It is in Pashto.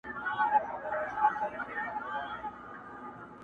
تبۍ را واخلی مخ را تورکړۍ !